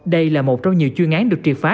đây là một trong nhiều chuyên án được triệt phá